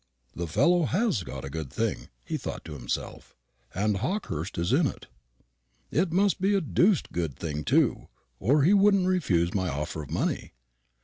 "The fellow has got a good thing," he thought to himself, "and Hawkehurst is in it. It must be a deuced good thing too, or he wouldn't refuse my offer of money." Mr.